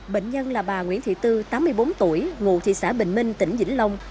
bệnh nhân là bà nguyễn thị tư tám mươi bốn tuổi ngụ thị xã bình minh tỉnh vĩnh long